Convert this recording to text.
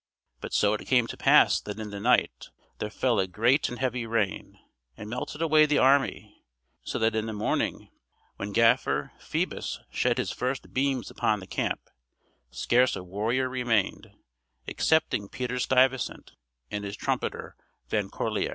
But so it came to pass that in the night there fell a great and heavy rain, and melted away the army, so that in the morning when Gaffer Phoebus shed his first beams upon the camp, scarce a warrior remained, excepting Peter Stuyvesant and his trumpeter, Van Corlear.